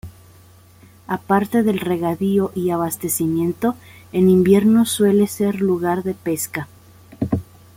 Aparte del regadío y abastecimiento, en invierno suele ser lugar de pesca.